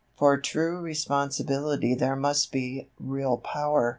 For true responsibility there must be real power.